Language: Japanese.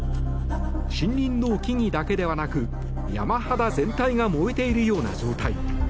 森林の木々だけではなく山肌全体が燃えているような状態。